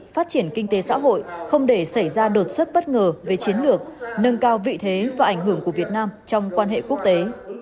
phát triển kinh tế xã hội không để xảy ra đột xuất bất ngờ về chiến lược nâng cao vị thế và ảnh hưởng của việt nam trong quan hệ quốc tế